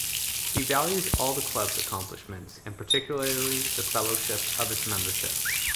He values all the club's accomplishments and particularly the fellowship of its membership.